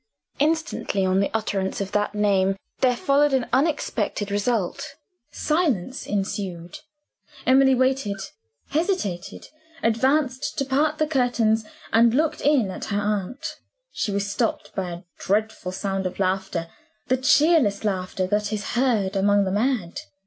Instantly on the utterance of that name, there followed an unexpected result. Silence ensued. Emily waited hesitated advanced, to part the curtains, and look in at her aunt. She was stopped by a dreadful sound of laughter the cheerless laughter that is heard among the mad.